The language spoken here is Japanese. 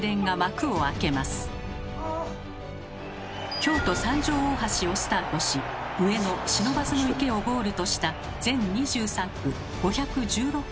京都三条大橋をスタートし上野不忍池をゴールとした全２３区５１６ｋｍのコース。